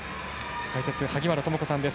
解説、萩原智子さんです。